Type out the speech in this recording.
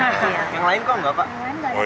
yang lain kok enggak pak